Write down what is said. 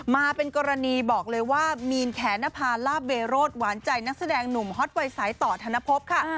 มาเป็นกรณีบอกเลยว่ามีนแขนนภาลาบเบโรธหวานใจนักแสดงหนุ่มฮอตวัยสายต่อธนภพค่ะ